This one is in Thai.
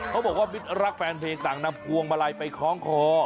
เขาบอกว่ามิตรรักแฟนเพลงต่างนำพวงมาลัยไปคล้องคอ